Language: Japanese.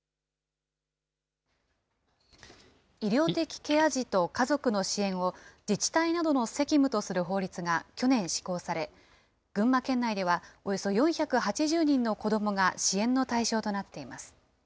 医療的ケア児と家族の支援を、自治体などの責務とする法律が去年施行され、群馬県内では、およそ４８０人の子どもが支援の対象となっています。